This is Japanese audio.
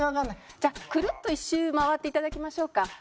じゃあクルッと１周回っていただきましょうか。